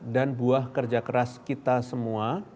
dan buah kerja keras kita semua